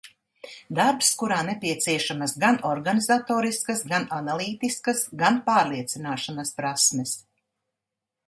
Darbs, kurā nepieciešamas gan organizatoriskas, gan analītiskas, gan pārliecināšanas prasmes.